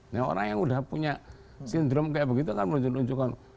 nah orang yang udah punya sindrom kayak begitu kan menunjukkan